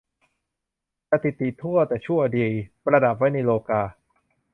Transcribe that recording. สถิตทั่วแต่ชั่วดี ประดับไว้ในโลกา